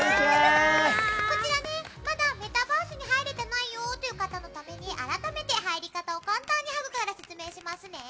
まだメタバースに入れてないよっていう方のために改めて入り方を簡単にハグから説明しますね。